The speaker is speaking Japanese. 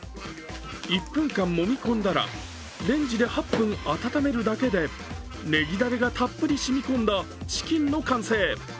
１分間もみ込んだらレンジで８分温めるだけでねぎだれがたっぷり染みこんだ、チキンの完成。